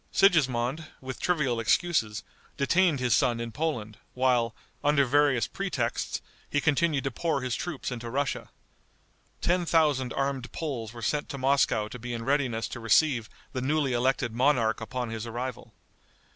Sigismond, with trivial excuses, detained his son in Poland, while, under various pretexts, he continued to pour his troops into Russia. Ten thousand armed Poles were sent to Moscow to be in readiness to receive the newly elected monarch upon his arrival.